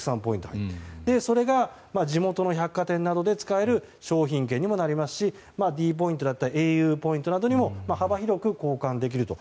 それが、地元の百貨店などで使える商品券などにもなりますしｄポイントやａｕポイントなどにも幅広く交換できると。